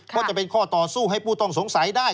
ก็จะเป็นข้อต่อสู้ให้ผู้ต้องสงสัยได้